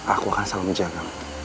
aku akan selalu menjagamu